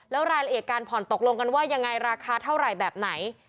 แล้วรายละเอียดการผ่อนตกลงกันว่ายังไงราคาเท่าไหร่แบบไหน